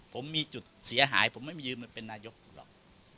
ผมมีจุดเสียหายผมไม่มายืนมาเป็นนายกผมหรอก